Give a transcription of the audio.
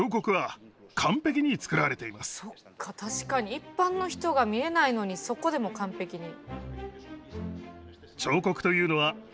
そっか確かに一般の人が見えないのにそこでも完璧に。